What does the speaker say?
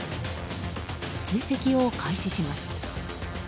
追跡を開始します。